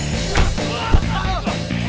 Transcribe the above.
pintu udah dekat banget